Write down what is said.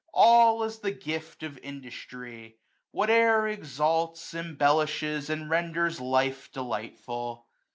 140 All is the gift of Industry ; whatever Exalts, embellishes, and renders life Delightful.